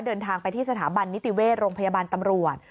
เดินทางไปที่สถาบันนิติเวชโรงพยาบาลตำรวจ